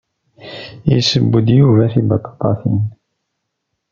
Yesseww-d Yuba tibaṭaṭatin.